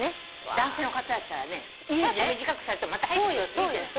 男性の方だったらね少々短くされてもまた生えてくるしいいじゃない。